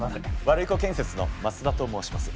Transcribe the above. ワルイコ建設の増田と申します。